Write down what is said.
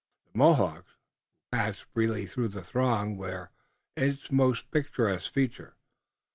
The Mohawks, who passed freely through the throng, were its most picturesque feature.